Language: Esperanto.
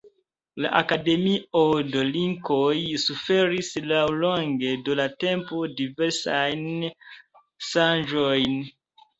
La Akademio de Linkoj suferis laŭlonge de la tempo diversajn ŝanĝojn.